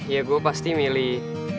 ya gue pasti milih